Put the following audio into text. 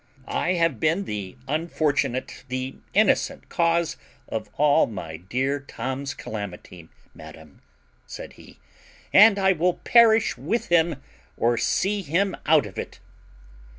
I have been the unfortunate, the innocent cause of all my dear Tom's calamity, madam, said he, and I will perish with him or see him out of it.